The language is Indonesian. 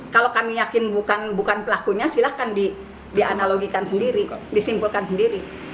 kalau kami yakin bukan pelakunya silahkan dianalogikan sendiri disimpulkan sendiri